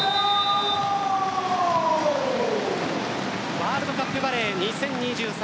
ワールドカップバレー２０２３